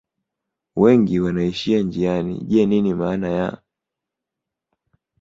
wengi wanaishia njiani je nini maana ya